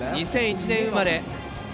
２００１年生まれ。